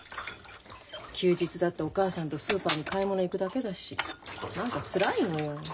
休日だってお母さんとスーパーに買い物行くだけだし何かつらいのよ。